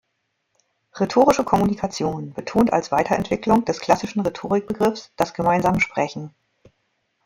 Rhetorische Kommunikation betont als Weiterentwicklung des klassischen Rhetorik-Begriffs das gemeinsame Sprechen.